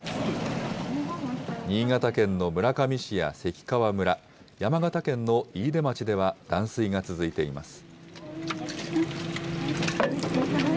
新潟県の村上市や関川村、山形県の飯豊町では、断水が続いています。